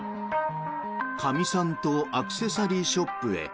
カミサンとアクセサリーショップへ。